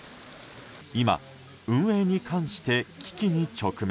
今、運営に関して危機に直面。